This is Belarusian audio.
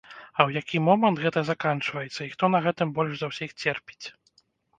А ў які момант гэта заканчваецца і хто на гэтым больш за ўсіх церпіць?